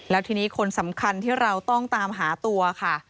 แล้วทีนี้คนสำคัญที่เราต้องตามหาตัวค่ะ